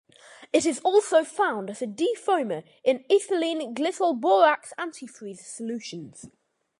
It is also found as a defoamer in ethylene glycol-borax antifreeze solutions.